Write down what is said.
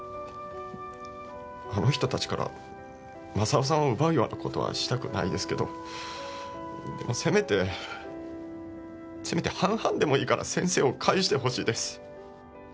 あの人たちからマサオさんを奪うような事はしたくないですけどでもせめてせめて半々でもいいから先生を返してほしいです。